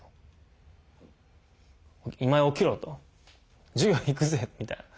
「今井起きろ」と「授業行くぜ」みたいな。